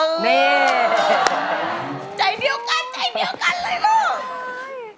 นี่ใจเดียวกันใจเดียวกันเลยลูก